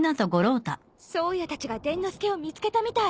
颯也たちが伝の助を見つけたみたい。